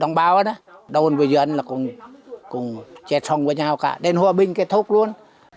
đồng bào đó đồn với dân là cùng chết song với nhau cả đến hòa bình kết thúc luôn